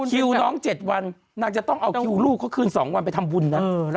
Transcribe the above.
คิวน้อง๗วันนางจะต้องเอาคิวลูกเขาคืน๒วันไปทำบุญนะ